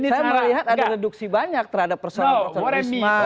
saya melihat ada reduksi banyak terhadap persoalan persoalan risma